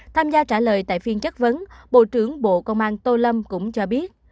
tham gia trả lời tại phiên chất vấn bộ trưởng bộ công an tô lâm cũng cho biết